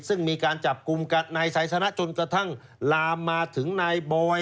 ซึ่งมีการจับกลุ่มนายไซสนะจนกระทั่งลามมาถึงนายบอย